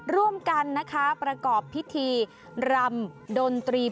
ร่วมกันนะคะประกอบพิธีรำดนตรี